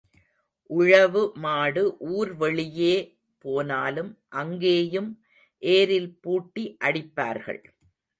உழவு மாடு ஊர் வெளியே போனாலும் அங்கேயும் ஏரில் பூட்டி அடிப்பார்கள்.